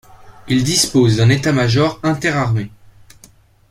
Il dispose d’un état major interarmées.